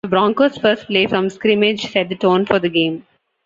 The Broncos' first play from scrimmage set the tone for the game.